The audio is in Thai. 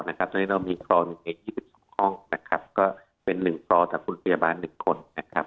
เพราะฉะนั้นเรามีปล่อใน๒๒ห้องนะครับก็เป็น๑ปล่อแต่คุณพยาบาล๑คนนะครับ